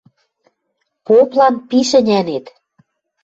Поплан пиш ӹнянет